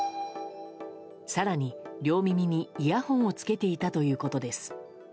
更に両耳にイヤホンをつけていたということです。